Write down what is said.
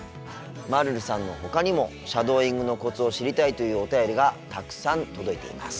まるるさんのほかにもシャドーイングのコツを知りたいというお便りがたくさん届いています。